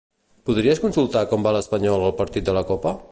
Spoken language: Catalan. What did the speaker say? Podries consultar com va l'Espanyol al partit de la copa?